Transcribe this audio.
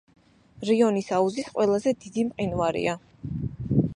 რიონის აუზის ყველაზე დიდი მყინვარია.